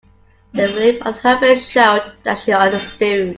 The relief on her face showed that she understood.